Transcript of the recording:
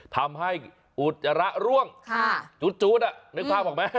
ทำให้อุดระร่วงจุ๊ดอ่ะ